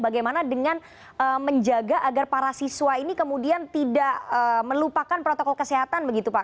bagaimana dengan menjaga agar para siswa ini kemudian tidak melupakan protokol kesehatan begitu pak